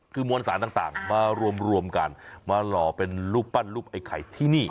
คือมวลสารต่างมารวมกันมาหล่อเป็นรูปปั้นรูปไอ้ไข่ที่นี่